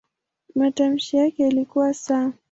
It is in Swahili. Matamshi yake ilikuwa "s".